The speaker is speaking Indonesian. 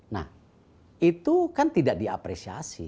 nah itu kan tidak diapresiasi